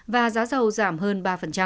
và giá dầu giảm hơn ba